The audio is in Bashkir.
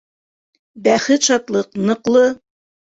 Бәхет-шатлыҡ, ныҡлы